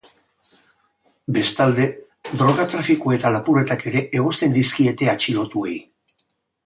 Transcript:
Bestalde, droga-trafikoa eta lapurretak ere egozten dizkiete atxilotuei.